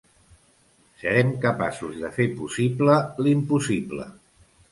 Serem capaços de fer possible, l’impossible.